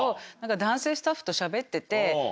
男性スタッフとしゃべってて。